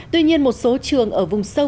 tuy nhiên một số trường ở vùng sâu